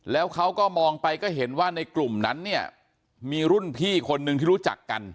แล้วเขาก็มองไปก็เห็นว่าในกลุ่มนั้นเนี่ยมีรุ่นพี่คนนึงที่รู้จักกัน